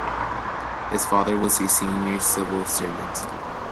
His father was a senior civil servant.